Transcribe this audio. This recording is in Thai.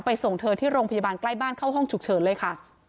ส่งเธอที่โรงพยาบาลใกล้บ้านเข้าห้องฉุกเฉินเลยค่ะ